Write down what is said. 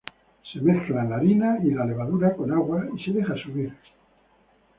Se mezclan la harina y la levadura con agua, y se deja subir.